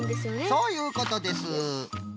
そういうことです！